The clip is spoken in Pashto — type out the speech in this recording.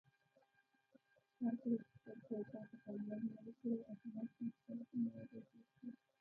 هرکله چې خپل شاوخوا ته پاملرنه وکړئ اجناس له مختلفو موادو جوړ شوي.